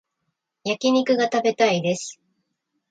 焼き肉が食べたいです